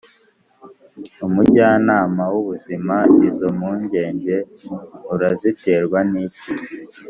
Umujyanama w ubuzima Izo mpungenge uraziterwa n iki